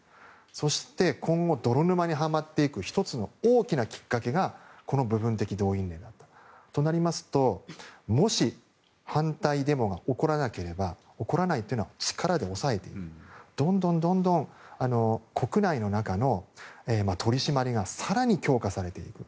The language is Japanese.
そして、今後泥沼にはまっていく１つの大きなきっかけがこの部分的動員令だったとなりますともし反対デモが起こらなければ起こらないというのは力で抑えてどんどん国内の中の取り締まりが更に強化されていく。